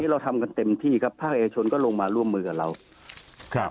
เราทำกันเต็มที่ครับภาคเอกชนก็ลงมาร่วมมือกับเราครับ